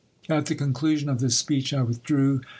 At the conclusion of this speech I withdrew.